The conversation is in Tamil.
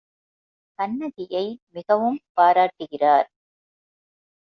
கண்ணகியை மிகவும் பாராட்டுகிறார்.